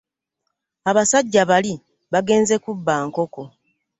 Abasajja bali bagenze kubba nkoko.